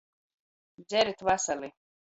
Dzerit vasali!